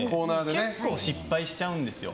結構失敗ちゃうんですよ。